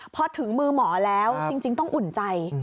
พอถึงมือหมอแล้วจริงต้องอุ่นใจ